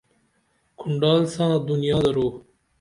کُھنڈال ساں دنیا درو